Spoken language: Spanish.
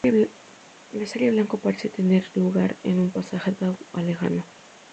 La serie "Blanco" parece tener lugar en un pasado lejano.